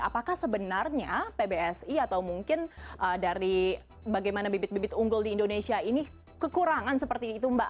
apakah sebenarnya pbsi atau mungkin dari bagaimana bibit bibit unggul di indonesia ini kekurangan seperti itu mbak